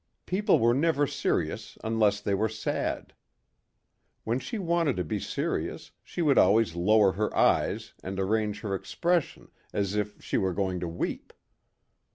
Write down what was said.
People were never serious unless they were sad. When she wanted to be serious she would always lower her eyes and arrange her expression as if she were going to weep.